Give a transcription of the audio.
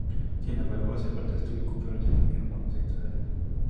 Sin embargo, hacen falta estudios confiables en humanos en esta área.